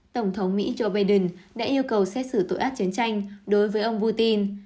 tổng thống mỹ joe biden đã yêu cầu xét xử tội ác chiến tranh đối với ông putin